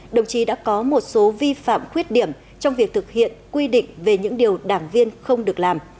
đồng chí đã có một số vi phạm khuyết điểm trong việc thực hiện quy định về những điều đảng viên không được làm